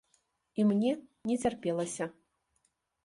І мне не цярпелася.